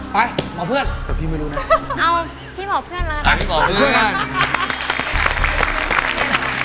ไปหมอเพื่อนแต่พี่ไม่รู้นะเอาพี่หมอเพื่อนละนะ